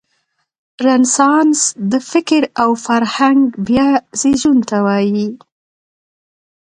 رنسانس د فکر او فرهنګ بیا زېږون ته وايي.